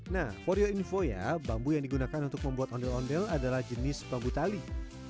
nah for your info ya bambu yang digunakan untuk membuat ondel ondel adalah jenis bambu tali